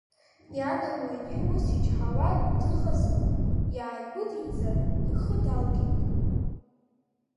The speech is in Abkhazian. Ианаму, ани ус ичҳауа дыҟазма, иааигәыдиҵан, ихы далгеит.